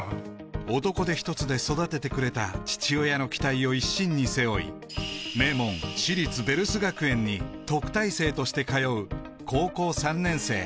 男手一つで育ててくれた父親の期待を一身に背負い名門私立ヴェルス学園に特待生として通う高校３年生